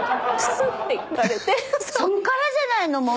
そっからじゃないの？